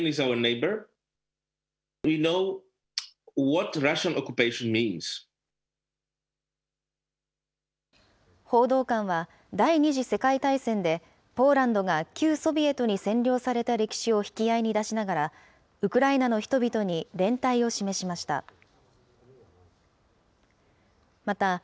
報道官は第２次世界大戦でポーランドが旧ソビエトに占領された歴史を引き合いに出しながら、ウクライナの人々に連帯を示しました。